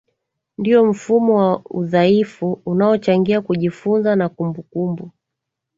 ndio mfumo wa udhanifu unaochangia kujifunza na kumbukumbu